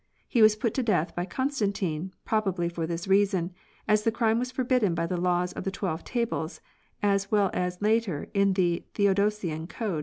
He was put to death by Constantine—probably for this reason, as this crime was forbidden by the laws of the Twelve Tables as well as later in the Theodosian code.